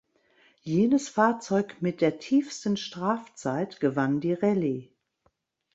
Jenes Fahrzeug mit der tiefsten Strafzeit gewann die Rallye.